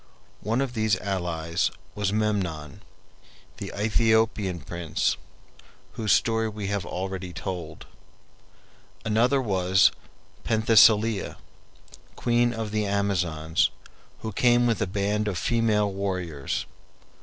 One of these allies was Memnon, the Aethiopian prince, whose story we have already told. Another was Penthesilea, queen of the Amazons, who came with a band of female warriors.